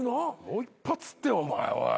もう一発ってお前おい。